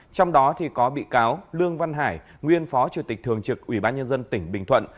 trong đó có bị cáo lương văn hải nguyên phó chủ tịch thường trực ủy ban nhân dân tỉnh bình thuận